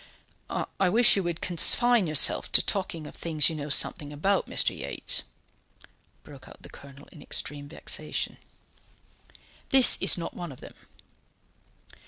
"I wish you would confine yourself to talking of things you know something about, Mr. Yates," broke out the Colonel in extreme vexation; "this is not one of them."